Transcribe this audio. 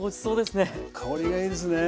香りがいいですね。